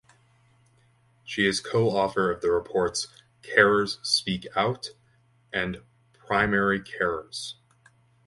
She is co-author of the reports "Carers Speak Out" and "Primary Carers".